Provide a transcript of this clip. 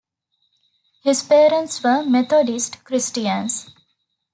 His parents were Methodist Christians.